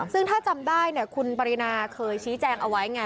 ซึ่งถ้าจำได้คุณปรินาเคยชี้แจงเอาไว้ไง